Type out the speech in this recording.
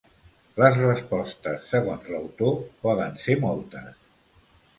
Les respostes, segons l'autor, poden ser moltes.